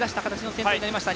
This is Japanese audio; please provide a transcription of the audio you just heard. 先頭になりました。